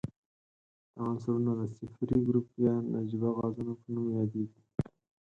دا عنصرونه د صفري ګروپ یا نجیبه غازونو په نوم یادیږي.